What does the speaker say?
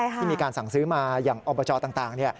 ที่มีการสั่งซื้อมาอย่างอบจต่าง